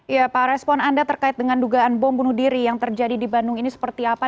ya pak respon anda terkait dengan dugaan bom bunuh diri yang terjadi di bandung ini seperti apa